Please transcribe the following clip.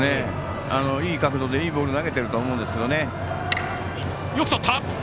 いい角度でいいボール投げているとは思うんですが。